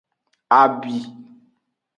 Abi.